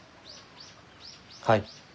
はい。